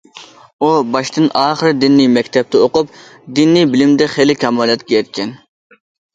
ئۇ باشتىن- ئاخىرى دىنىي مەكتەپتە ئوقۇپ، دىنىي بىلىمدە خېلى كامالەتكە يەتكەن.